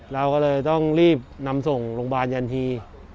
เราก็เลยต้องรีบนำส่งโรงพยาบาลยันที